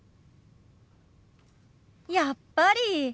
やっぱり！